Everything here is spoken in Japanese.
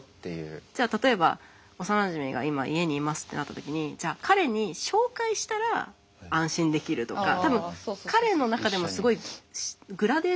じゃあ例えば幼なじみが今家にいますってなった時にじゃあ彼に紹介したら安心できるとか多分彼の中でもすごいグラデーションがあると思ってて。